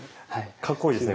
かっこいいですね